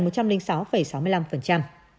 cảm ơn các bạn đã theo dõi và hẹn gặp lại